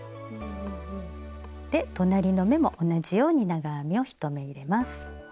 で隣の目も同じように長編みを１目入れます。